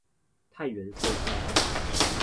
泰源隧道